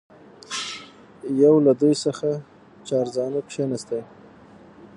یو له دوی څخه چارزانو کښېنستی.